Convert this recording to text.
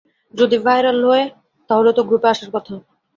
যদি ভাইরাল হয়ে তাহলে তো গ্রুপে আসার কথা।